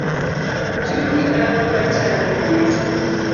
Chunyi ang’o machando nyaminwa?